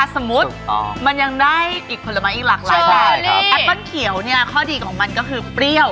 สมมุติมันยังได้อีกผลไม้อีกหลากหลายแบบแอปเปิ้ลเขียวเนี่ยข้อดีของมันก็คือเปรี้ยว